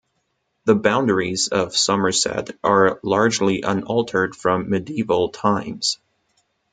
The boundaries of Somerset are largely unaltered from medieval times.